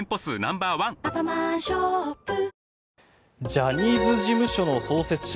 ジャニーズ事務所の創設者